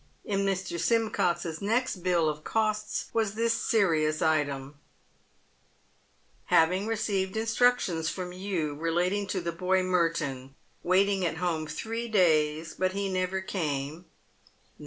In Mr. Simeox' s next bill of costs was this serious item :" Having received instructions from you relating to the boy Merton, waiting at home three days, but he never came, 9Z.